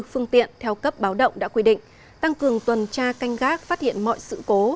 phương tiện theo cấp báo động đã quy định tăng cường tuần tra canh gác phát hiện mọi sự cố